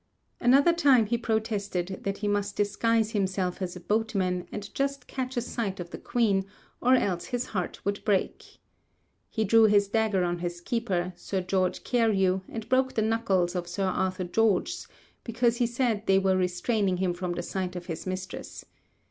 Another time he protested that he must disguise himself as a boatman, and just catch a sight of the Queen, or else his heart would break. He drew his dagger on his keeper, Sir George Carew, and broke the knuckles of Sir Arthur Gorges, because he said they were restraining him from the sight of his Mistress.